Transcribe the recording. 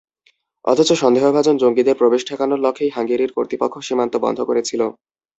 অথচ সন্দেহভাজন জঙ্গিদের প্রবেশ ঠেকানোর লক্ষ্যেই হাঙ্গেরির কর্তৃপক্ষ সীমান্ত বন্ধ করেছিল।